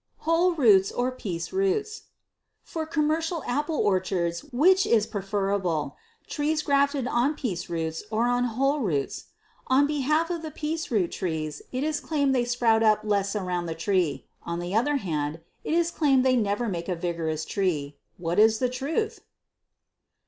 Whole Roots or Piece Roots. For commercial apple orchards which is preferable, trees grafted on piece roots or on whole roots? On behalf of the piece root trees it is claimed they sprout up less around the tree. On the other hand, it is claimed they never make a vigorous tree. What is the truth?